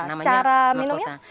namanya cara minumnya